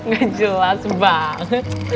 gak jelas bang